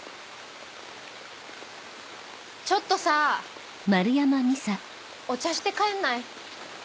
ちょっとさお茶して帰んない？